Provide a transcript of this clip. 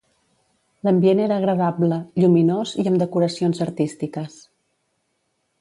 L'ambient era agradable, lluminós i amb decoracions artístiques.